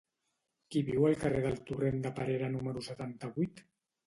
Qui viu al carrer del Torrent de Perera número setanta-vuit?